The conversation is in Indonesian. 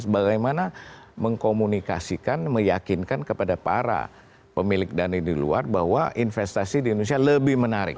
bagaimana mengkomunikasikan meyakinkan kepada para pemilik dana di luar bahwa investasi di indonesia lebih menarik